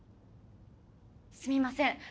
すみません。